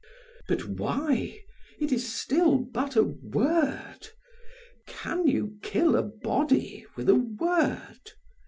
But why? It is still but a word. Can you kill a body with a word?